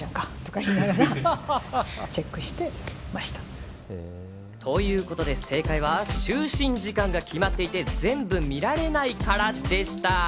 当たりだ！ということで正解は、就寝時間が決まっていて、全部見られないからでした。